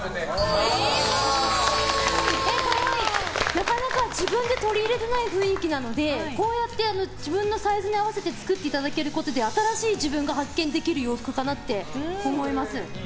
なかなか自分で取り入れていない雰囲気なのでこうやって自分のサイズに合わせて作っていただけることで新しい自分が発見できる洋服かなって思います。